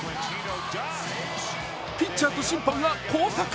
ピッチャーと審判が交錯。